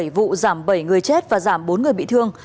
bảy vụ giảm bảy người chết và giảm bốn người bị thương